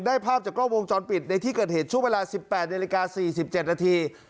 ภาพจากกล้องวงจรปิดในที่เกิดเหตุช่วงเวลา๑๘นาฬิกา๔๗นาที